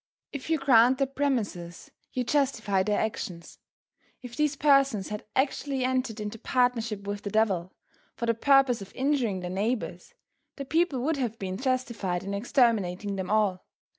If you grant their premises, you justify their actions. If these persons had actually entered into partnership with the devil for the purpose of injuring their neighbors, the people would have been justified in exterminating them all.